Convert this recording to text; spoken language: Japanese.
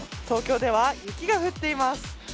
東京では雪が降っています。